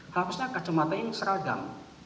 harusnya kacamata yang seragam